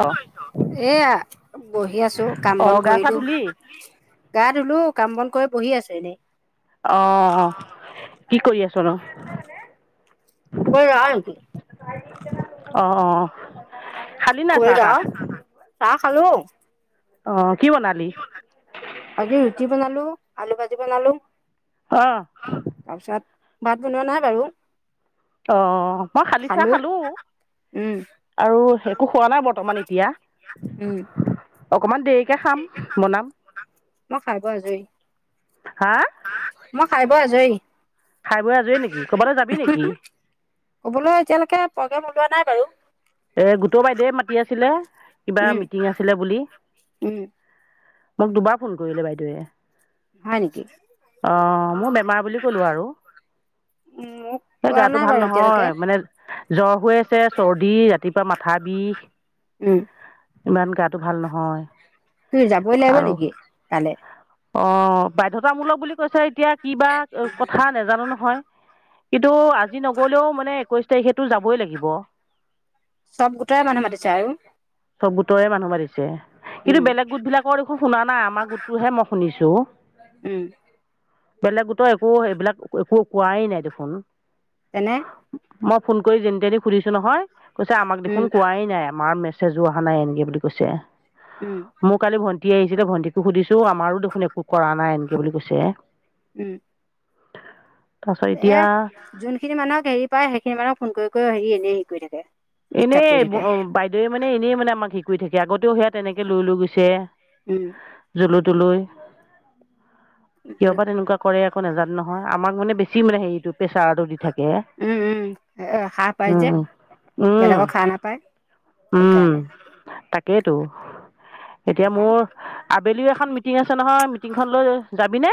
অ এয়া, বহি আছোঁ, কাম অ বন গা চা কৰিলোঁ। ধুলি গা ধুলো, কাম বন কৈ পঢ়ি আছে এনে অহ, কি কৰি আছনো? ক'বালৈ যাৱ নেকি অ', অ'। খালি নাই চাহ কইৰা তাহ ৰা খালোঁ। অ'। কি বনালি আজি ৰুটি বনালো। আলু ভাজি বনালো। অহ। তাৰপিছত ভাত বনোৱা নাই বাৰু। অ'। মই খালি চাহ খালো খালোঁ উম আৰু একো খোৱা নাই বৰ্তমান এতিয়া। উম অকণমান দেৰিকে খাম বনাম। মই খাই বৈ আজৰি হা খায় বয় আজৰি খাই বৈ আজৰি নেকি ক'বালৈ যাবি নেকি কবলৈ এতিয়ালৈকে প্ৰগ্ৰেম ওলোৱা নাই। [unintelligible] এই গোটৰ বাইদেউে মাতি আছিলে কিবা উম মিটিং আছিলে বুলি। উম মোক দুবাৰ ফোন কৰিলে বাইদেৱে। হয় নেকি অ, ' মোৰ বেমাৰ বুলি কলো আৰু উম মোক এই কোৱা গাটো নাই ভাল বাৰু এতিয়ালৈকে নহয় মানে জ্বৰ হৈ আছে চৰ্দি ৰাতিপুৱা মাথা বিষ উম ইমান গাটো ভাল নহয় কি যাবই লাগিব আৰু নেকি তালে অ, ' বাধ্যয়তামূলক বুলি কৈছে। এতিয়া কিবা কথা নাজানো নহয় কিন্তু আজি নগলেও মানে একৈছ তাৰিখে তো যাবই লাগিব। চব গোটৰে মানুহ মাতিছে আৰু চব গোটৰে মানুহৰিছে। কিন্তু উম বেলেগ গোট বিলাকৰ দেখো শুনা নাই আমাৰ গোটটোহে মই শুনিছোঁ। উম বেলেগতো একো এইবিলাক একো কোৱাই নাই দেখোন। তেনে মই ফোন কৰি যেন তেনি সুধিছো নহয়। কৈছে আমাক দেখোন উম কোৱাই নাই আমাৰ মেচ জো অহা নাই এনেকে বুলি কৈছে। উম মোৰ কালি ভন্টি ভণ্টি আহিছিলে ভণ্টিকো সুধিছো আমাৰো দেখোন একো কৰা নাই এনকে বুলি কৈছে। উম। তাৰপাছত এ এতিয়া যোনখিনি মানুহক হেৰি পায় সেইখিনি মানুহক ফোন কৰি কৰিও হেৰি এ কৰি থাকে। ডিষ্টাৰ্ব কৰি এনেই থাকে বাইদেউৱে মানে এনেই মানে আমাক শ কৰি থাকে আগতেও সেয়া তেনেকে লৈ লৈ গৈছে। উম। তুলি তলৈু কিয় বা উম তেনেকুৱা কৰে একো নাজানো নহয় আমাৰ মানে বেছি মানে হেৰিটো প্ৰেচাৰটো উম, উম, হা পাই যে উম, উম, বেলেগক সাহ নাপায় সেইকাৰণে। সেইটো। এতিয়া নাযাওঁ মোৰ আবেলিও এখন মিটিং আছে নহয় মিটিংখন লৈ যাবিনে।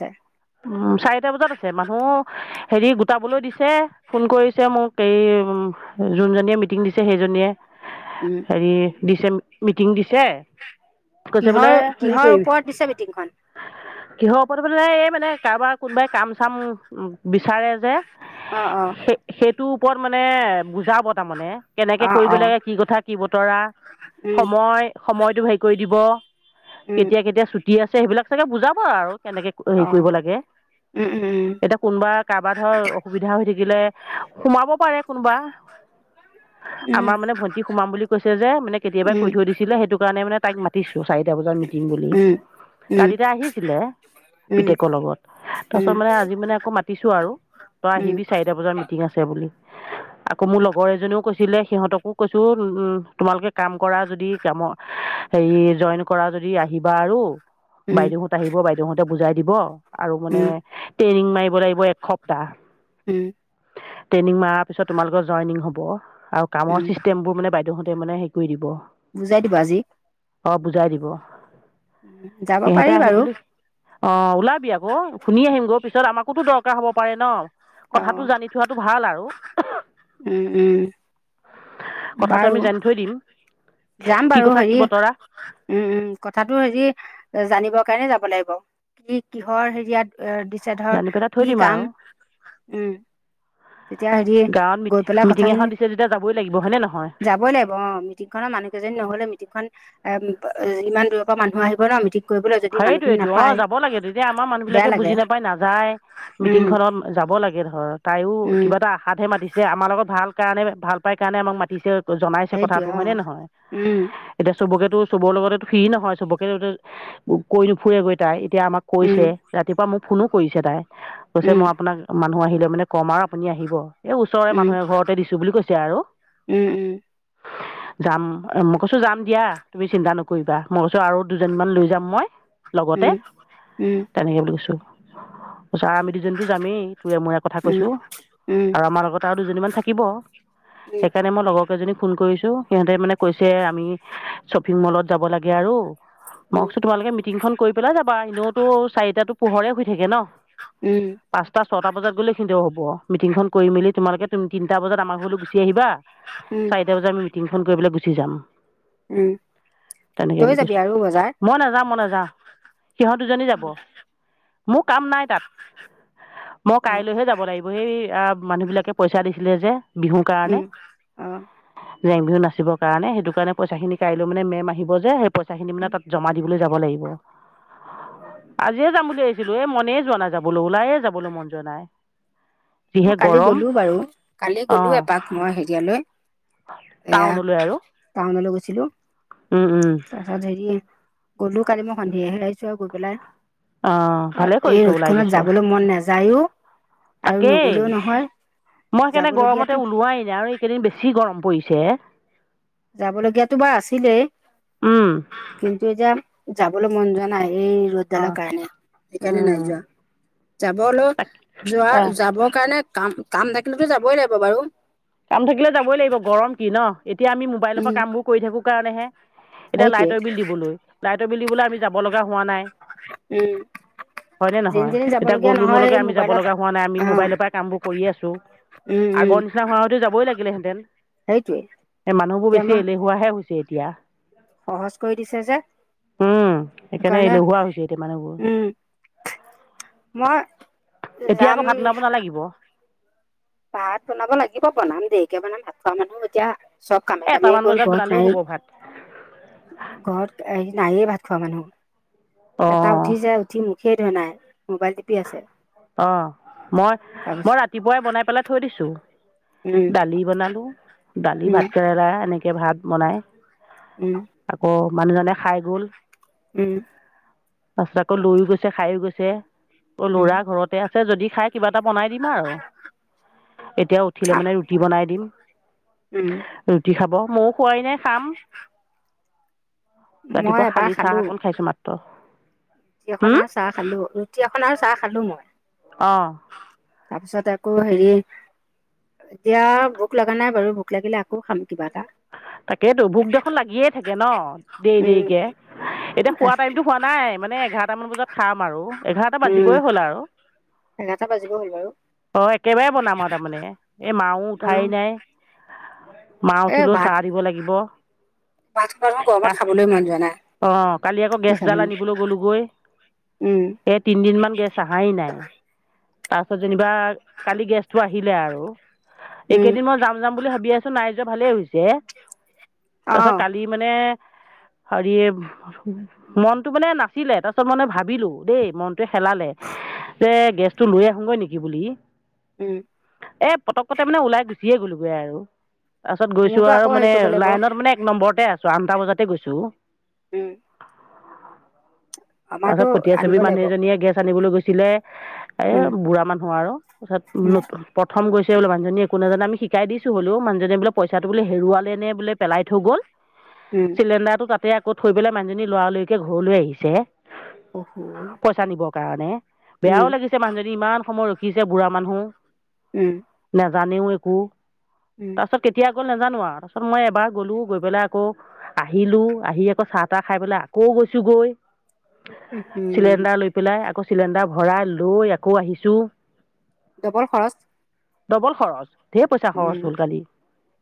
হ [unintelligible] উম, চাৰিটা বজাত আছে মানুহ হেৰি গোটাবলৈ দিছে, ফোন কৰিছে মোক। এই যোনজনীয়ে মিটিং দিছে সেইজনীয়ে উম হেৰি ডিচেম মিটিং দিছ চে কৈছে কিহৰ বোলে হেৰি কিহৰ কৰিবি। ওপৰত দিছে মিটিংখন কিহঁৰ ওপৰত মানে মানে কাৰবাৰ কোনোবাই কাম চাম বিচাৰে যে, অ অ সেই সেই টোৰ ওপৰত মানে বুজ জাব তাৰমানে, কেনেকে অ কৰিব অ লাগে, কি কথা, কি বতৰা। উম সময়, সময় টো হেই কৰি দিব উম কেতিয়া কেতিয়া চুট টি আছে, সেইবিলাক চাগে বুজাব আৰু কেনেকে কি অ কৰিব লাগে। উম উম এতিয়া কোনোবা, কাৰবাৰ ধৰ অসুবিধা হৈ থাকিলে সোমাব পাৰে কোনোবা উম আমাৰ মানে ভন্টি সোমাম বুলি কৈছে যে, মানে কেতিয়াবাই কৈ থৈ দিছিলে সেইটো কাৰণে মানে তাইক মাতিছো চাৰিটা বজাত মিটিং বুলি। উম উম উম কালি তাই আহিছিলে উম উম পিতেকৰ লগত। উম তাৰপিছত মানে আজি মানে আকৌ মাতিছোঁ আৰু, তই আহিবি চাৰিটা বজাত মিটিং আছে বুলি। আকৌ মোৰ লগৰ এজনীৱেও কৈছিলে, সিহঁতকো কৈছোঁ তোমালোকে কাম কৰা যদি, কামৰ, হেৰি জইন কৰা যদি আহিবা আৰু উম বাইদেউহঁত আহিব, বাইদেউহঁতে বুজাই দিব। আৰু মানে উম ট্ৰেইনিং মাৰিব লাগিব এসপ্তাহ। উম ট্ৰেইনিং মাৰা পিছত তোমালোকৰ জইনিং হ'ব। আৰু কামৰ উম চিষ্টেম বোৰ মানে বাইেউহঁত ত মানে হে কৰি দিব বুজাই দিবা আজি অ' বুজাই দিব যাব পাৰি বাৰু অ' ওলা। আকৌ শুনি আহিম গৈ পিছত আমাকোতো দৰকাৰ হ'ব পাৰে ন অ কথাটো জানি থোৱাাতটো ভাল আৰু উম উম। কথাটো বাৰু আমি জানি থৈ দিম যাম কি বাৰু কথা কি হেৰি বতৰা উম উম কথাটো হেৰি জানিব কাৰণে যাব লাগিব কি কিহৰ হেৰি ইয়াত এ দিছে ধৰ জানি পেলাই থৈ কি দিম কাম আৰু উম তেতিয়া হেৰি গাঁৱত গৈ মিটি পেলাই মিটিং কথাখিনি এখন দিছে যেতিয়া যাবই লাগিব হয়নে নহয় যাবই লাগিব অ মিটিং খনৰ মানুহ কেইজনী নহলে মিটিংখন অ' ইমান দূৰ পৰা মানুহ আহিব মিটিং কৰিবলৈ যদি সেইটো মানুহখিনি এইটো অ নাপায় যাব লাগে এতিয়া আমাৰ মানুহ বেয়া বিলাকে লাগে বুজি নাপায় নাযায় মিটিং উম খনত যাব লাগে ঘ [unintelligible] তাইও উম কিবা এটা আশাতহে মাতিছে আমাৰ লগত ভাল। কাৰণে ভাল পাই কাৰণে আমাক মাতিছে। জনাইছে সেইটোৱে কথাাতটো অঁ হয়নে নহয় এতিয়া চবকেতো চবৰ লগতে ফ্ৰী নহয় চবকে কৰিলো ফুৰে গৈ তাই। এতিয়া আমাক কৈছে ৰাতিপুৱা মোক। ফোনো কৰিছে তাই। কৈছে মই আপোনাক মানুহ আহিলে মানে কমাৰ আপুনি আহিব। এই ওচৰৰে মানুহে ঘৰতে দিছো বুলি কৈছে আৰু। যাম মোক কৈছো যাম দিয়া তুমি চিন্তা নকৰিবা মই কৈছো আৰু দুজনমান লৈ যাম। মই লগতে তেনেকে বুলি কৈছোঁ অ' [unintelligible] তাৰছত আমি দুজনী যামেই তোৰ এ মোৰে কথা কৈছোঁ আৰু আমাৰ লগত আৰু দুজনীমান থাকিব সেইকাৰণে মই লগক এজনীক ফোন কৰিছো সিহঁতে মানে কৈছে আমি শ্বপিং মলত যাব লাগে আৰু মই উম কৈছোঁ তোমালোকে মিটিংখন কৰি পেলাই যাবা এনেওতো চাৰিটা তাতো পোহৰে হৈ থাকে ন। পাঁচটা ছটা বজাত গ'লে খিনধিব [unintelligible] হ'ব মিটিংখন কৰি মেলি তোমোকে তিনিটা বজাত আমাৰ ঘৰলৈ গুচি আহিবা চাৰিটা বজাত আমি মিটিংখন কৰি পেলাই গুচি যাম। উম তেনেকৈ তই বুলি যাবি কৈছোঁ আৰু বজাৰ মই নাযাওঁ মই নাযাওঁ সিহঁত দুজনী যাব মোৰ কাম নাই তাত মই অ', কাইলৈহে যাব লাগিব সেই মানুহবিলাকে পইচা দিছিলে যে বিহুৰ কাৰণে উম অ' জেং বিহু নািবৰ কাৰণে সেইটো কাৰণে পইচাখিনি কাইলৈৈ মানে মেম আহিব যে স পইাখিম ন উম, তাত মাতিবলৈ যাব লাগিব অ', আজিয়ে যাম বুলি আহিছিলো এ মনে যোৱা নাযাব বোলো ওলাইে যাবলৈ মন যোৱা নাই মই যিহে কালি গৰম গ'লো বাৰু কালি গ'লো অঁ এপাক মই হেৰিয়ালৈ এয়া টাউনলৈ আৰু টাউনলৈ গৈছিলো তাৰপাছত হেৰি গ'লো কালি মই সন্ধিয়া হে আহিছো আৰু গৈ পেলাই অঁ ভালেই এই কৰিছ ওলাই ৰ'দখনত গৈছ যাবলৈ মন নাযায়ও আৰু সেই নগলেও নহয় মই সেইকাৰণে গৰমতে যাবলগীয়াতো ওলোৱাই নাই আৰু এইকেইদিন বেছি গৰম পইছে যাব লগগীয়াতো বা আছিলেই কিন্তু এতিয়া যাবলৈ মন জোৱা নাই এই ৰ'দডালৰ অঁ কাৰণে সেইকাৰণে নাই যোৱা যাবলেও তাক যোৱা অঁ যাবৰ কাৰণে কাম কাম থাকিলেতো যাবই লাগিব বাৰু কাম থাকিলে যাবই লাগিব গৰম কি ন এতিয়া আমি মোবাইলৰ পৰা উম, কামবোৰ কৰি থাকোঁ কাৰণেহে এতিয়া সেইটোৱে লাইটৰ বিল দিবলৈ লাইট [unintelligible] আমি যাব লগা হোৱা নাই উম হয়নে যেনি নহয় তেনি এতিয়া যাবলগীয়া গলো নহয় নলৈকে সেই আমি যাব মোবাইলত লগা হোৱা নাই আমি অ', মোবাইলৰ পৰা কাম বোৰ কৰি আছো উম, উম, আগৰ নিচিনা হোৱা যাবই লাগিলেহেঁতেন সেইটোৱে এ মানুহ বোৰ এতিয়া বেছি আমাৰ এলেহুৱাাহে হৈছে এতিয়া সহজ কৰি দিছে যে উম, সেইকাৰণে সেইকাৰণে এলেহুৱা হৈছে এতিয়া মানুহবোৰ উম মই এতিয়া আকৌ ভাত বনাব নালাগিব পাত বনাব লাগিব বনাম দেৰিকে বনাম ভাত খোৱা মানুহ এতিয়া চব কামে এই কামেই এটামান গল বজাত ঘৰত বনালেও নাই হ'ব ভাত ঘৰত নায়ে ভাত খোৱা মানুহ এটা অঁ উঠি যাই উঠিম সেই ধৰণে মোবাইল টিপি আছে অ মই মই তাৰপিছত ৰাতিপুৱাই বনাই পেলাই থইদিছো উম, দালি বনালো দালি উম, ভাত কেৰেলা এনেকে ভাত বনাই উম, তাকো মানুহজনে খাই গ'ল উম তাৰপিছত আকৌ লৈয়ও গৈছে খাইো গৈছে অ' উম, লোৰা য খ কা এটা ব দিম এতিয়া উ মান ৰুি উম, ব খাব মোক খোৱাই নাই খাম মই ৰাতিপুৱা এবাৰ শালি খালো চাহ অকণ খাইছো মাত্ৰ ৰুটি এখনা চাহ খালো ৰুটি এখনা চাহ খালো মই আহ তাৰ পিছত আকৌ হেৰি এতিয়া ভোক লগা নাই বাৰু ভোক লাগিলে আকৌ খাম কিবা এটা তাকেতো ভোক দেখোন লাগিয়ে থাকে ন দেৰি উম, দেৰিকে এতিয়া হোৱা টাইমতো হোৱা নাই মানে এঘাৰটা মান বজাত খাম আৰু এঘাৰটা উম বাজিবই হ'ল আৰু এঘাৰটা বাজিব হ'ল বাৰু অ' একেবাৰে বনাম আৰু তাৰমানে এই মা নও উঠাই বনাম নাই ম এ উিলো দ ভাত ল ভাত খোপা দেখোন গৰমত খাবলৈ মন যোৱা নাই অ কালি আকৌ কি গেছডাল খাবিনো আনিবলৈ গ'লোগৈ উম এই তিনিদিন গেছ নাই তাৰছত য কিবা কালি গেছটো আহিলে আৰু উম এইকেইদিন মই যাম যাম বুলি ভাবি আছো নাইজ ভালেই হৈছে অ তাৰপিছত কালি মানে হৰি মনটো মানে নাছিলে তাৰিছত মানে ভাবিলো দেই মন টোৱে খেলালে যে গেছটো লৈ আহোগৈ নেকি বুলি। উম এ পতকক'তে মানে ওলাই গুছি চয়ে গ'লোগৈ আৰু তাৰপাছত চো মোৰতো আকৌ আৰু মানে হেৰি কৰিব লাগিব লাইনত মানে এক নম্বৰতে আছ চোৱা আনটা বজাতে গৈছো। উম। তাৰ আমাৰতো পাছত পঠীয়া ছবি আনিব মানুহ লাগিব এজনীয়ে গেছ আনিবলৈ গৈছ ছিলে এ উম বুঢ়া মানুহ আৰু উম তাৰপাছত প্ৰথম গৈছে বোলো মানুজনে একো নাজানে আমি শিকাই দিছো হ'লেও মানুহজনে বোলে প চাটো বোলে হেৰুৱালে বোলে পেলাই থৈ গ'ল। উম চিলিণ্ডাৰটো তাতে আকৌ থৈ পেলাই মানুজনী লৰালৰিকে ঘৰলৈ আহিছে। পইচা নিবৰ [unintelligible] কাৰণে উম বেয়াও লাগিছে মানুহজনী ইমান সময় ৰ শিকিছে বুঢ়া মানুহ উম জানেও একো উম তাৰপাছত কেতিয়া আকৌ নাজানো আৰু তাৰপিছত মই এবাৰ গলো গৈ পেলাই আকৌ আহিলো আহি আকৌ চাহ তাহ খাই পেলাই আকৌ গৈছো গৈ উম চিলিণ্ডাৰ লৈ পেলাই আকৌ চিলিণ্ডাৰ ভৰাই লৈ আকৌ আহিছো [inaudible] ডবল খৰচ ডবল খৰচ ঢেৰ পইচা খৰচ উম হ'ল কালি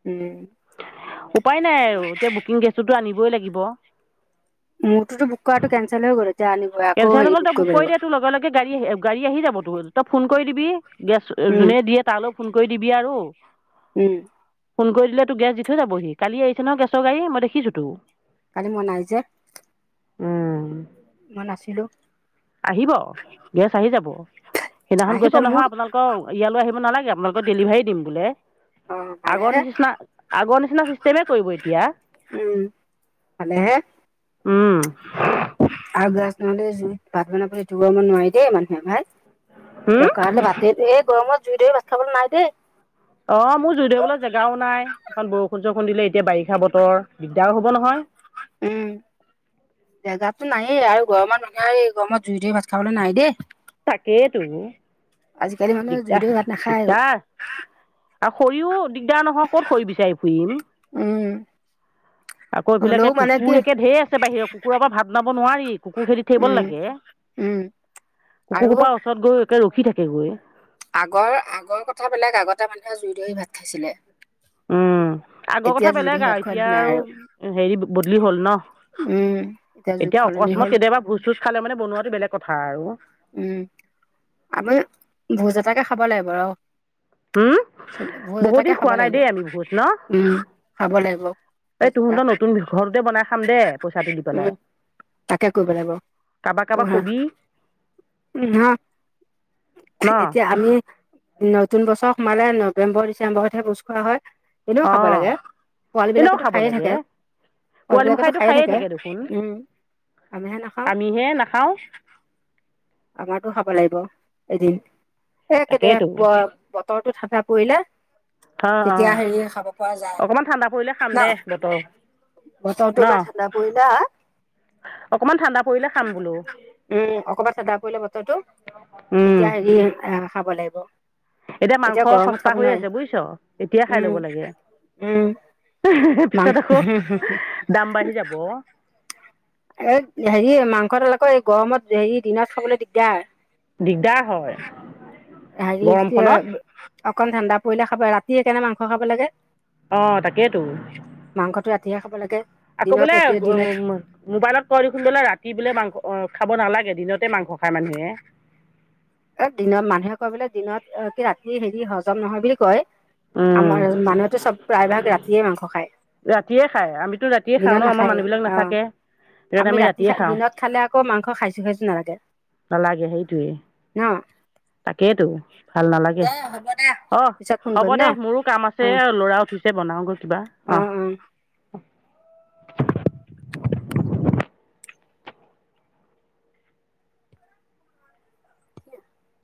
উম [inaudible] উপায় নাই আৰু এতিয়া বুকিং গেছটোতো আনিবই লাগিব [inaudible] মোৰতটো বুক কৰাটো কেনঞ্চেল হৈ কৰে যে আনি কেলচেলসকলল বুক কৰি দিয় তোৰ লগে গাড়ী আহ গাড়ী আহি যাব তই ফোন কৰি দিবি দিয়া উম যোনে দিয়ে তালৈ ফোন কৰি দিবি আৰু [unintelligible] উম ফোন কৰি দিলে তো গেছ দি থৈ যাবহি কালি আহি ন গেৰ গাড়ী মই দেখিছো তো কালি মই নাইজে উম মান আছিলো আহিব গেছ আহি যাব সেইদিনাখন আহিব কৈছে মোৰ নহয় আপোনালোকৰ ইয়ালৈ আহিব নালাগে আপোনালোকক ডেলিভাৰী দিম বোলে অ আগৰ ভালেহে নিচিনা আগৰ নিচিনা চিষ্টেমে কৰিব এতিয়া আগ নহ'লে জুই ভাত বনাবলৈটো ব নোৱাৰি দেই মানুহে ভাই দোকান ভতি এই গ মত জুই দৰে ভাত খাবলৈ নাই দেই অ' মোৰ জুই ধবলৈ জেগাও নাই অকণ বৰষুণ চৰষুণ দিলে এতিয়া বাৰিষা বতৰ দিগদাৰ হ'ব নহয় নাইেই আৰুৰ মানুহ এই গৰমত জুই ধুই ভাত খাবলৈ নাই দেই তাকেইেতো আজিকালি মানুহে জুদিও ভাত নাখায় আৰু শৰিওন দিগদাৰ নহয় ক'ত খৰি বিচাৰি ফুৰিম, উম, আকৌ এইফেলেকে হ'লেও মানে কুকুৰ কি একে ঢেৰ আছে বাহিৰৰ কুকুৰৰ পৰা ভাত নাব নোৱাৰি, কুকুৰ খেদি থাকিব উম, লাগে, উম কুকুৰ আৰু সোপাৰ ওচৰত গৈ ৰখি একে থাকি এগুৱে আগৰ আগৰ কথা বেলেগ আগতে মানুহে জুই ধৰি ভাত খাইছিলে। উম, আগৰ এতিয়া কথা জুই ধৰি বেলেগ ভাত আৰু খোৱা এতিয়া দিন নাই আৰু হেৰি বদলি হ'ল ন, উম, যুগ এতিয়া সলনি হ'ল। অকস্মাত কেতিয়াবা ভোজ চোজ খালে মানে বনোৱাটো বেলেগ কথা আৰু। উম। আমি ভোজ এটাকে খাব লাগিব ৰ'। হুম, ভোজ বহুত এটাকে দিন খাব খোৱা নাই লাগিবে দেই আমি ভোজ ন উম, খাব লাগিব এই ভোজ এটা তহঁতৰ নতুন ঘৰটোতে বনাই খাম দে পইচাটো দি উম, পেলাই তাকে কৰিব লাগিব ৰা কাৰোবাক কাৰোবাক কবি উম, হ ন এতিয়া আমি নতুন বছৰ মানে নৱেম্বৰ ডিচেম্বৰতহে ভোজ খোৱা হয়। এনেও অ খাব লাগে এনেও পোৱালবিলাকটো খাব খায়ে লাগে থাকে পোৱালি পোৱালবিলাকেটো মুখাইটো খায়ে থাকে দেখোন উম, আমিহে নাখাওঁ। আমিহে নাখাওঁ আমাৰটো খাব লাগিব এদিন। একে দে তাকেইতো। পুৱা বত তৰটো থাকা পৰিলে। অ অ তেতিয়া হেৰি খাব পৰা অকমান ঠাণ্ডা পৰিলে খাম যায় ন, দে বতৰ ন বছৰটো ইবাৰ ঠাণ্ডা পৰিলা অকমান ঠাণ্ডা পৰিলে খাম বোলো উম, অকমান ঠাণ্ডা পৰি এ বতৰটো উম তেতিয়া হেৰি অ' খাব লাগিব এতিয়া মাংস গৰমত সস্তা খাব হৈয়ে নোৱাৰি আছে বুজিছ এতিয়াই খাই উম ল'ব লাগে উম মাংস পিছত আকৌ দাম বাঢ়ি যাব এ- হেৰি মাংস ডাল আকৌ এই গৰমত হেৰি দিনত খাবলৈ দিগদাৰ। দিগদাৰ হয়। হৰিছে গৰমখনত [unintelligible] অকণমান ঠাণ্ডা পৰিলে খাব, ৰাতিয়ে সেইকাৰণে মাংস খাব লাগে। অউ তাকেইতো। ধঠিয়ীয়া [unintelligible] খাব লাগে। আকৌ দিনত বোলে সেইটোৱে দিনত মবাইলত কয় দেখোন বোলে ৰাতি বোলে মাংস খাব নালাগে দিনতে মাংস খায় মানুহে। এ- দিনত মানুহে কয় বোলে দিনত কি- ৰাতি হেৰি হজম নহয় বুলি কয়। উম আমাৰ মানুহেতো চব প্ৰায় ভাগ ৰাতিয়ে মাংস খায় ৰাতিয়ে খাই আমিতো ৰাতিয়ে খাওঁ দিনত ন আমাৰ নাখায়েই। মানুহ বিলাক অ- নাথাকে সেইকাৰণে আমি ৰাতিয়ে ৰাতি- খাওঁ দিনত খালে আকৌ মাংস খাইছো-খাইছো নালাগে। নালাগে সেইটোৱে অ তাকেইতো ভাল নালাগে। হ'ব দে অ'- পিছত ফোন হ'ব কৰিম ন দে-মোৰো কাম আছে লৰা উঠিছে বনাওগৈ কিবা। অঁ অ'-অ'- [inaudible] কি [inaudible]